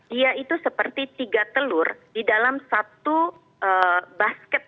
dia itu seperti tiga telur di dalam satu basket